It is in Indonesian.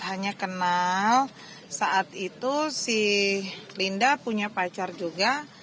hanya kenal saat itu si linda punya pacar juga